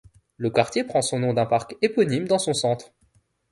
Le quartier prend son nom d'un parc éponyme dans son centre.